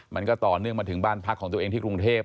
มันก็ต่อเนื่องมาถึงบ้านพักของตัวเองที่กรุงเทพ